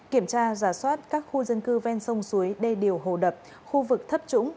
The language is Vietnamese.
kiểm tra giả soát các khu dân cư ven sông suối đê điều hồ đập khu vực thấp trũng